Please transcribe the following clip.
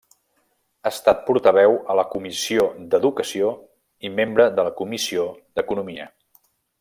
Ha estat portaveu a la Comissió d'Educació i membre de la Comissió d'Economia.